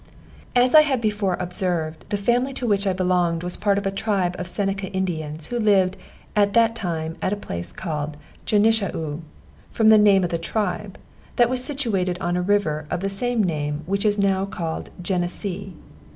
As I have before observed, the family to which I belonged was part of a tribe of Seneca Indians, who lived, at that time, at a place called Genishau, from the name of the tribe, that was situated on a river of the same name which is now called Genesee.